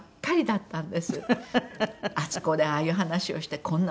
あそこでああいう話をしてこんなお酒を飲んでた。